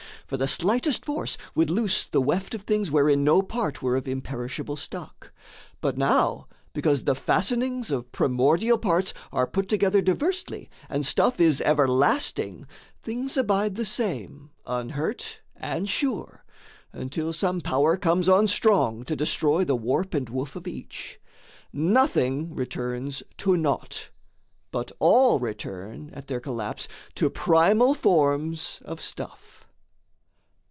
For the slightest force Would loose the weft of things wherein no part Were of imperishable stock. But now Because the fastenings of primordial parts Are put together diversely and stuff Is everlasting, things abide the same Unhurt and sure, until some power comes on Strong to destroy the warp and woof of each: Nothing returns to naught; but all return At their collapse to primal forms of stuff.